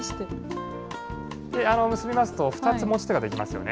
結びますと２つ持ち手が出来ますよね。